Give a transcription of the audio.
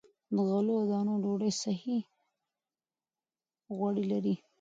له غلو- دانو ډوډۍ صحي غوړي لري.